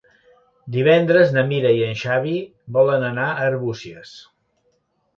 Divendres na Mira i en Xavi volen anar a Arbúcies.